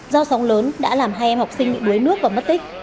do sóng lớn đã làm hai em học sinh bị đuối nước và mất tích